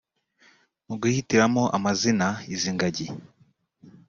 mu guhitiramo amazina izi ngagi